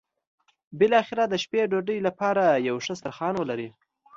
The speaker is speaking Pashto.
بالاخره د شپې ډوډۍ لپاره یو ښه سترخوان ولري.